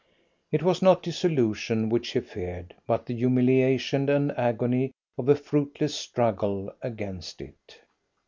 It was not dissolution which he feared, but the humiliation and agony of a fruitless struggle against it.